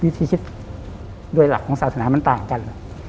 วิธีคิดโดยหลักของสาธารณะมันต่างกัน